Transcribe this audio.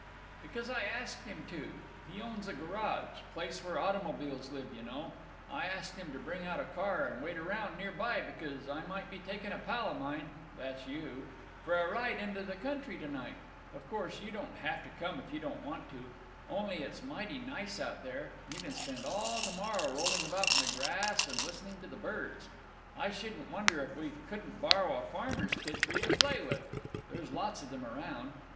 "Because I asked him to. He owns a garage. Place where automobiles live, you know. I asked him to bring out a car and wait around near by, because I might be taking a pal of mine—that's you—for a ride into the country to night. Of course, you don't have to come if you don't want to. Only it's mighty nice out there. You can spend all to morrow rolling about in the grass and listening to the birds. I shouldn't wonder if we couldn't borrow a farmer's kid for you to play with. There's lots of them around.